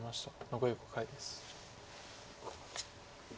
残り５回です。